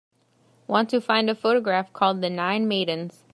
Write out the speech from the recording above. Want to find a photograph called The Nine Maidens